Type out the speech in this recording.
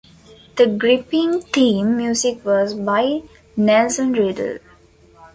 The gripping theme music was by Nelson Riddle.